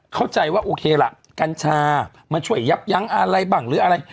เข้าใจว่าโอเคล่ะกัญชามาช่วยยับยั้งอะไรบ้างหรืออะไร